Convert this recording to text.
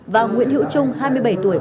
và nguyễn hữu trung hai mươi bảy tuổi